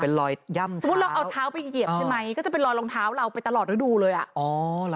เป็นรอยย่ำสมมุติเราเอาเท้าไปเหยียบใช่ไหมก็จะเป็นรอยรองเท้าเราไปตลอดฤดูเลยอ่ะอ๋อเหรอ